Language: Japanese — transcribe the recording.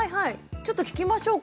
ちょっと聞きましょうか。